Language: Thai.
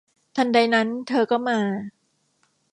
ทันใดนั้นเธอก็มา